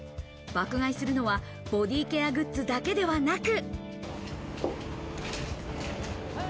爆買いするのはボディケアグッズだけではなく。